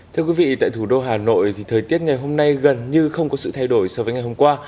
thưa quý vị tại thủ đô hà nội thì thời tiết ngày hôm nay gần như không có sự thay đổi so với ngày hôm qua